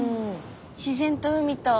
自然と海と。